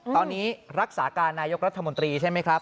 ตอนนี้รักษาการนายกรัฐมนตรีใช่ไหมครับ